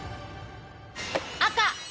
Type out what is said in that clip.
赤！